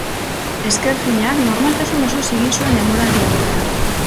Ezker finak normaltasun osoz egin zuen denboraldi-aurrea.